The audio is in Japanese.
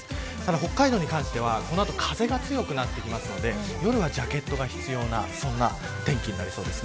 北海道に関してはこの後、風が強くなるので夜はジャケットが必要な天気になりそうです。